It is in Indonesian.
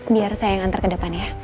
biar saya yang antar ke depan ya